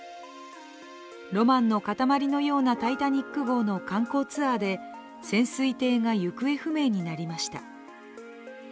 ロマンの塊のようなタイタニック号の観光ツアーで潜水艇が行方不明になりました。